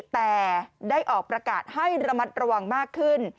แต่ได้ออกประกาศให้ระมัดระวังมากขึ้น